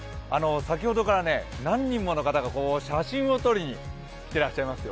先ほどから何人もの方が写真を撮りに来てらっしゃいます。